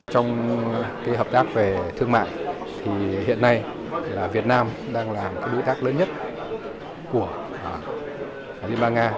trong hợp tác về thương mại thì hiện nay việt nam đang là đối tác lớn nhất của liên bang nga